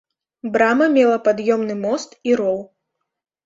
Брама мела пад'ёмны мост і роў.